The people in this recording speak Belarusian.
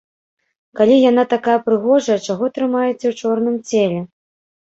Калі яна такая прыгожая, чаго трымаеце ў чорным целе?